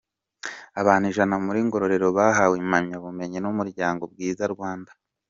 Abanu Ijana Muri Ngororero bahawe impamyabumenyi n’umuryango Bwiza Rwanda